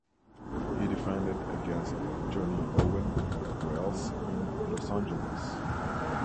He defended against Johnny Owen of Wales in Los Angeles.